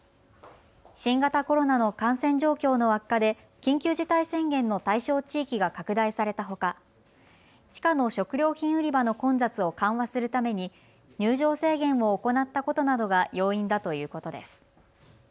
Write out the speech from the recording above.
新型コロナの感染状況の悪化で緊急事態宣言の対象地域が拡大されたほか地下の食料品売り場の混雑を緩和するために入場制限を行ったことなどが要因だということです。